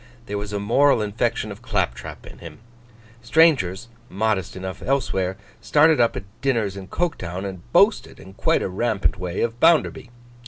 There was a moral infection of clap trap in him. Strangers, modest enough elsewhere, started up at dinners in Coketown, and boasted, in quite a rampant way, of Bounderby.